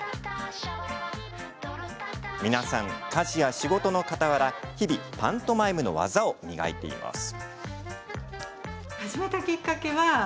皆さん、家事や仕事のかたわら日々、パントマイムの技を磨いています。